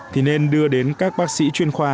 thì nên đưa đến các bác sĩ chuyên khoa